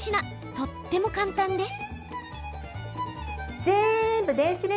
とっても簡単です。